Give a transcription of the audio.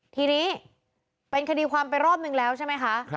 ทีนี้เป็นคดีความไปรอบนึงแล้วใช่ไหมคะ